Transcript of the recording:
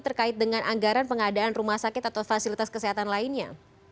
terkait dengan anggaran pengadaan rumah sakit atau fasilitas kesehatan lainnya